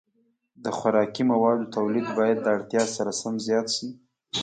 د خوراکي موادو تولید باید د اړتیا سره سم زیات شي.